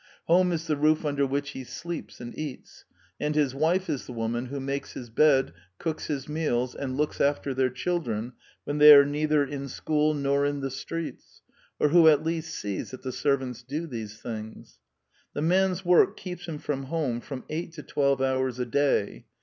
Home is the roof under which he sleeps and eats ; and his wife is the woman who makes his bed, cooks his meals, and looks after their children when they are neither in school nor in the streets, or who at least sees that the servants do these things. The man's work keeps him from home from eight to twelve hours a day.